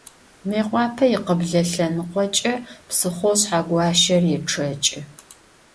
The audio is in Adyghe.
Mıêkhuape yikhıble lhenıkhoç'e psıxhou Şsheguaşe rêççeç'ı.